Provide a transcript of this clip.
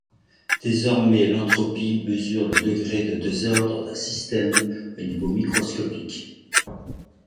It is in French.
Désormais, l'entropie mesure le degré de désordre d'un système au niveau microscopique.